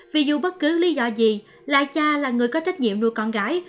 vì dù bất cứ lý do gì lại cha là người có trách nhiệm nuôi con gái